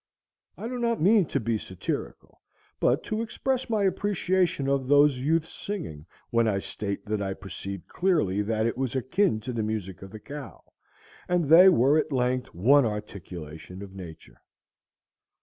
I do not mean to be satirical, but to express my appreciation of those youths' singing, when I state that I perceived clearly that it was akin to the music of the cow, and they were at length one articulation of Nature.